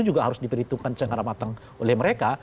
yang dihitungkan cengkara matang oleh mereka